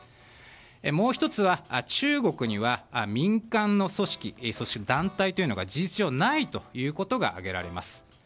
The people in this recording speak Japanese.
もう１つは中国には民間の組織、そして団体というのが事実上ないということが挙げられます。